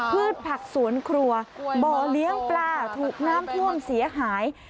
พืชผักสวนครัวบ่อเลี้ยงปลาถูกน้ำท่วมเสียหาย